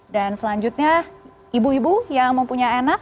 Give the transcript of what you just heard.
dan selanjutnya ibu ibu yang mempunyai anak